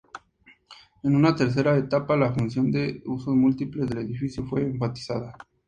En una tercera etapa la función de usos múltiples del edificio fue enfatizada.